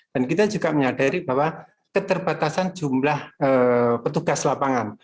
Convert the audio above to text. dan kita juga menyadari bahwa keterbatasan jumlah petugas lapangan